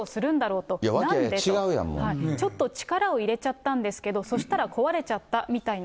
ちょっと力を入れちゃったんですけど、そしたら壊れちゃったみたいな。